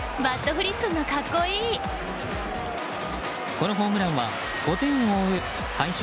このホームランは５点を追う敗色